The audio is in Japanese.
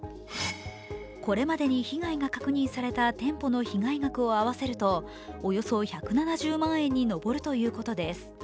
これまでに被害が確認された店舗の被害額を合わせるとおよそ１７０万円に上るということです。